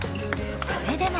それでも。